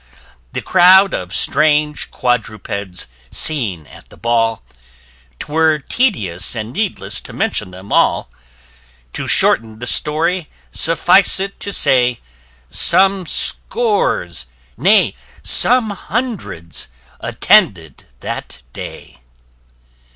The crowd of strange quadrupeds seen at the ball, 'Twere tedious and needless to mention them all; To shorten the story, suffice it to say Some scores, nay some hundreds, attended that day.